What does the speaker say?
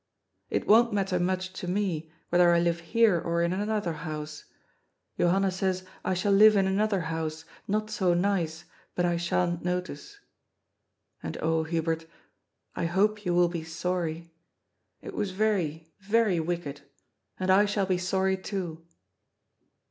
It won't matter much to me, whether I live here, or in another house. Johanna says I shall live in another house, not so nice, but I sha'n't notice. And, oh, Hubert, I hope you will be sorry. It was very, very wicked. And I shall be sorry too."